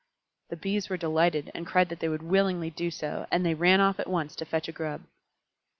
The Bees were delighted, and cried that they would willingly do so, and they ran off at once to fetch a Grub.